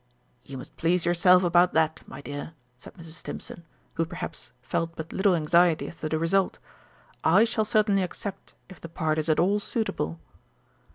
"You must please yourself about that, my dear," said Mrs. Stimpson, who, perhaps, felt but little anxiety as to the result. "I shall certainly accept if the part is at all suitable."